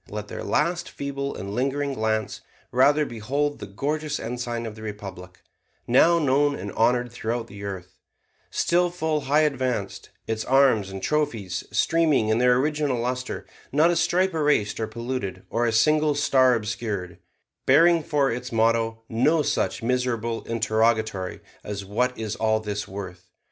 Let their last feeble and lingering glance rather behold the gorgeous ensign of the Republic, now known and honored throughout the earth, still full high advanced, its arms and trophies streaming in their original luster, not a stripe erased or polluted, or a single star obscured, bearing for its motto no such miserable interrogatory as 'What is all this worth?'